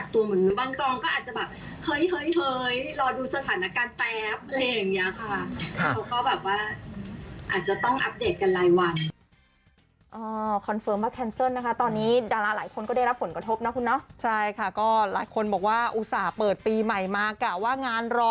เขาก็แบบว่าอาจจะต้องอัปเดตกันรายวัน